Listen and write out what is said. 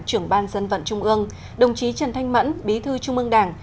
trưởng ban dân vận trung ương đồng chí trần thanh mẫn bí thư trung ương đảng